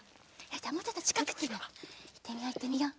じゃあもうちょっとちかくにいってみよういってみよう。